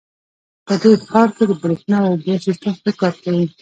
په دې ښار کې د بریښنا او اوبو سیسټم ښه کار کوي